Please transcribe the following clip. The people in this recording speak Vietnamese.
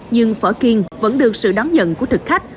nhưng phở kiên vẫn được sự đón nhận của thực khách